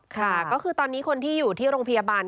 ค่ะก็คือตอนนี้คนที่อยู่ที่โรงพยาบาล